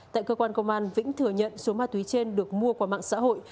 tại cơ quan công an vĩnh thừa nhận số ma túy trên được mua qua mạng xã hội